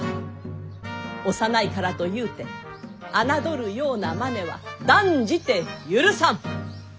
幼いからとゆうて侮るようなマネは断じて許さん。